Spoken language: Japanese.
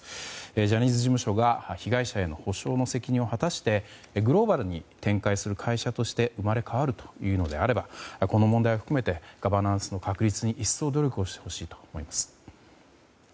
ジャニーズ事務所が被害者への補償の責任を果たしてグローバルに展開する会社として生まれ変わるというのであればこの問題を含めてガバナンスの確立に一層努力をしてほしいと思います。